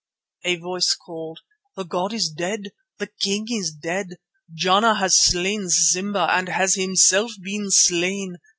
A voice called: "The god is dead! The king is dead! Jana has slain Simba and has himself been slain!